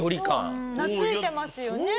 懐いてますよね。